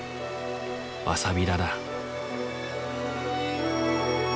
わさび田だ。